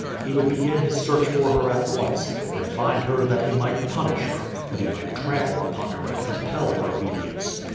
He would begin his search for her at once, and find her that he might punish her, that he might trample upon her and compel her obedience.